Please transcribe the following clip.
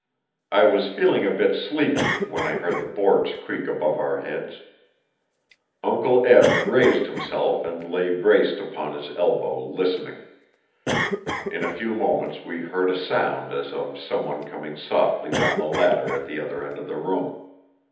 I was feeling a bit sleepy when I heard the boards creak above our heads. Uncle Eli raised himself and lay braced upon his elbow listening. In a few moments we heard a sound as of someone coming softly down the ladder at the other end of the room.